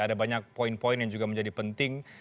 ada banyak poin poin yang juga menjadi penting